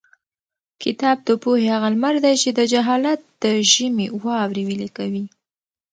کتاب د پوهې هغه لمر دی چې د جهالت د ژمي واورې ویلي کوي.